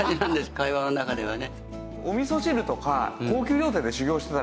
会話の中ではね。